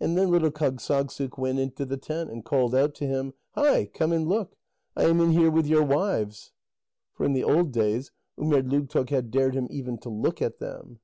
And then little Kâgssagssuk went into the tent, and called out to him: "Hi, come and look! I am in here with your wives!" For in the old days, Umerdlugtoq had dared him even to look at them.